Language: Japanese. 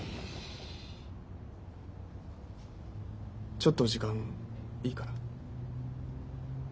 ちょっと時間いいかな？